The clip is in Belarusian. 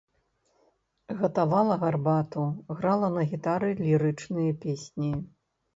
Гатавала гарбату, грала на гітары лірычныя песні.